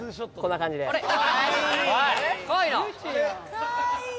かわいいな！